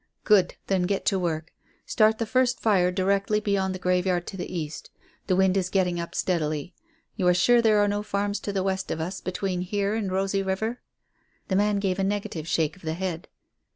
"Good. Then get to work. Start the first fire directly beyond the graveyard to the east. The wind is getting up steadily. You are sure there are no farms to the west of us, between here and Rosy River?" The man gave a negative shake of the head.